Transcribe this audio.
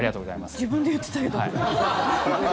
自分で言ってたけど。